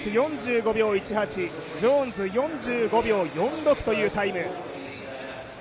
ジョーンズ４５秒４６というタイム。